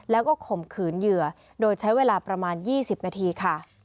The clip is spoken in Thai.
แล้วก็ข่มขืนเหยื่อโดยใช้เวลาประมาณ๒๐นาทีค่ะ